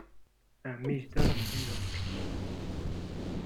Ɛemmi yezdeɣ deg New York.